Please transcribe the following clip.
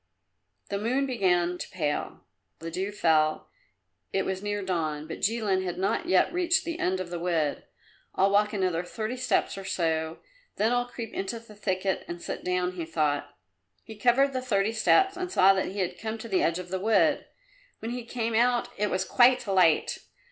The moon began to pale; the dew fell; it was near dawn, but Jilin had not yet reached the end of the wood. "I'll walk another thirty steps or so then I'll creep into the thicket and sit down," he thought. He covered the thirty steps and saw that he had come to the edge of the wood. When he came out it was quite light.